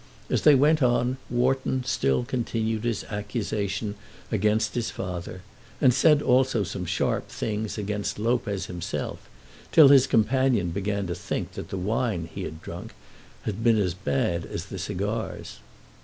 As they went on Wharton still continued his accusation against his father and said also some sharp things against Lopez himself, till his companion began to think that the wine he had drunk had been as bad as the cigars.